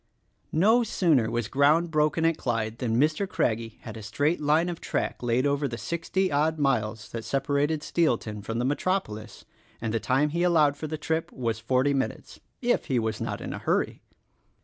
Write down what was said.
No sooner was ground broken at Clyde than Mr. Crag gie had a straight line of track laid over the sixty odd miles that separated Steelton from the metropolis; and the time he allowed for the trip was forty minutes — if he was not in a hurry.